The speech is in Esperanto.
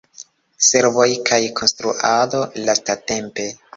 Servoj kaj konstruado lastatempe.